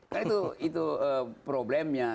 kan itu problemnya